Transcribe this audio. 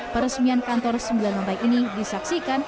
peresmian kantor sembilan lantai ini disaksikan